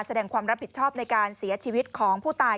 แสดงความรับผิดชอบในการเสียชีวิตของผู้ตาย